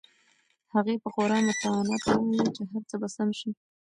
هغې په خورا متانت وویل چې هر څه به سم شي.